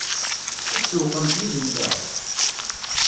Ad sewwqent yid-nteɣ?